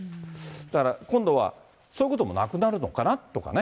だから今度はそういうこともなくなるのかなとかね。